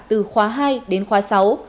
từ khóa hai đến khóa sáu